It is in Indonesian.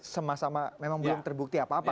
sama sama memang belum terbukti apa apa